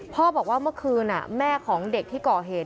บอกว่าเมื่อคืนแม่ของเด็กที่ก่อเหตุ